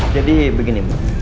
jadi begini bu